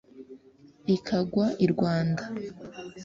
ikagwa i rwanda.